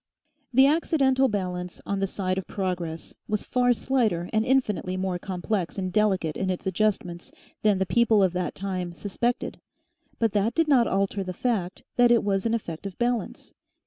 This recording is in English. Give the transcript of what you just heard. The accidental balance on the side of Progress was far slighter and infinitely more complex and delicate in its adjustments than the people of that time suspected; but that did not alter the fact that it was an effective balance.